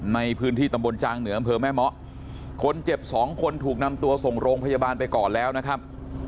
ในพื้นที่ตำบลจางเหนืออำเภอแม่เมาะคนเจ็บสองคนถูกนำตัวส่งโรงพยาบาลไปก่อนแล้วนะครับ